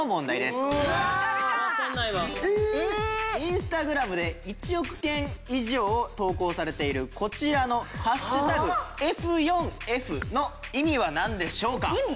インスタグラムで１億件以上投稿されているこちらの「＃ｆ４ｆ」の意味はなんでしょうか？